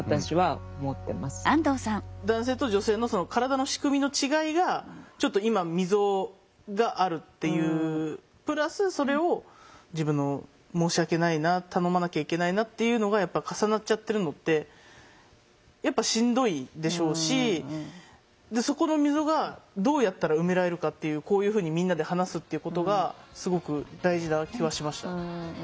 男性と女性の体の仕組みの違いがちょっと今溝があるっていうプラスそれを自分の「申し訳ないな頼まなきゃいけないな」っていうのがやっぱ重なっちゃってるのってやっぱしんどいでしょうしそこの溝がどうやったら埋められるかっていうこういうふうにみんなで話すっていうことがすごく大事な気はしました。